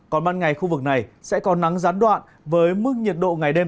còn ban ngày khu vực này sẽ có nắng gián đoạn với mức nhiệt độ ngày đêm